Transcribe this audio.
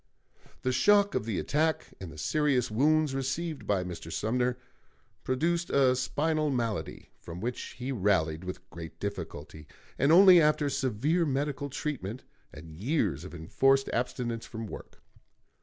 The shock of the attack, and the serious wounds received by Mr. Sumner, produced a spinal malady, from which he rallied with great difficulty, and only after severe medical treatment and years of enforced abstinence from work.